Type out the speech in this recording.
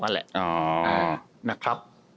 นั่นแหละ